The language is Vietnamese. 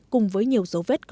cùng với nhiều dấu vết